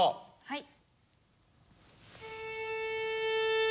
はい。